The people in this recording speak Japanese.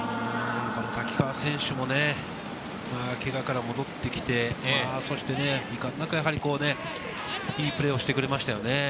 瀧川選手もね、けがから戻ってきて、そしていかんなくいいプレーをしてくれましたね。